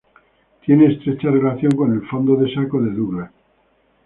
Tiene estrecha relación con el Fondo de Saco de Douglas.